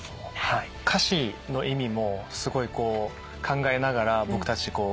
歌詞の意味もすごい考えながら僕たち歌って。